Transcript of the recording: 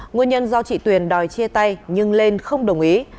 nguyên nhân do chị tuyền đòi chia tay nhưng lên không đồng ý